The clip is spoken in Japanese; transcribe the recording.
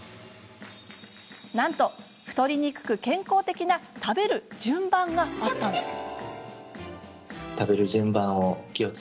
なんと、太りにくく、健康的な食べる順番があるんです。